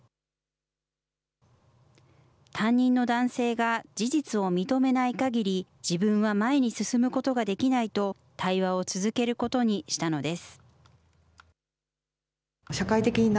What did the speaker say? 担任の男性が事実を認めないかぎり、自分は前に進むことができないと、対話を続けることにしたのです。